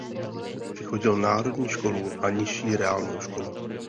Vychodil národní školu a nižší reálnou školu.